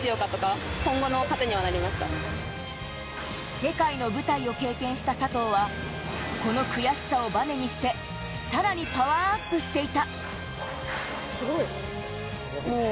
世界の舞台を経験した佐藤はこの悔しさをバネにして、さらにパワーアップしていた。